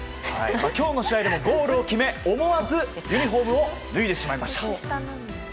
今日の試合でもゴールを決め思わずユニホームを脱いでしまいました。